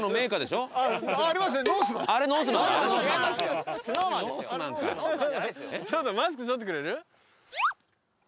ちょっとマスク取ってくれる？